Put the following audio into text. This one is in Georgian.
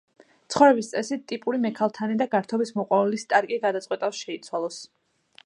ცხოვრების წესით ტიპური მექალთანე და გართობის მოყვარული სტარკი გადაწყვიტავს შეიცვალოს.